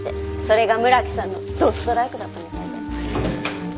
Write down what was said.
それが村木さんのドストライクだったみたいで。